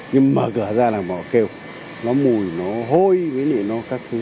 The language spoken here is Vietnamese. nhưng mà mở cửa ra là họ kêu nó mùi nó hôi cái này nó các thứ